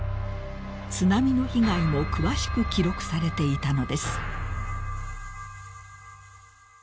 ［津波の被害も詳しく記録されていたのです］